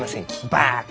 バカ！